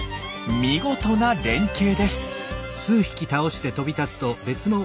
見事な連係です。